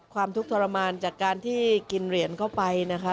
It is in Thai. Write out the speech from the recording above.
ทุกข์ทรมานจากการที่กินเหรียญเข้าไปนะคะ